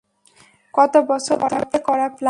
কত বছর ধরে করা প্ল্যান!